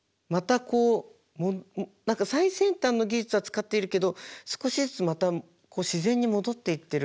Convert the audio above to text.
何か最先端の技術は使っているけど少しずつまたこう自然に戻っていっている感じが。